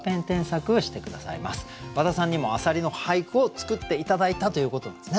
和田さんにも浅蜊の俳句を作って頂いたということなんですね。